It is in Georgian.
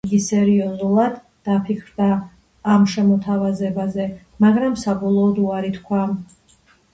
იგი სერიოზულად დაფიქრდა ამ შემოთავაზებაზე, მაგრამ საბოლოოდ უარი თქვა.